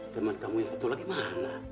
teman kamu yang ketulah gimana